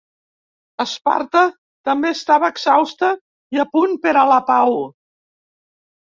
Esparta també estava exhausta i a punt per a la pau.